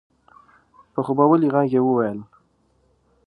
په خوبولي غږ يې وويل؛